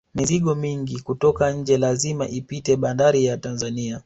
mizigo mingi kutoka nje lazima ipite banbari ya tanzania